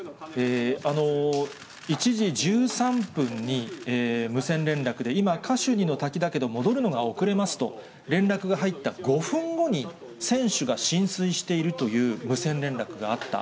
１時１３分に無線連絡で今、カシュニの滝だけれども、戻るのが遅れますと連絡が入った５分後に、船首が浸水しているという無線連絡があった。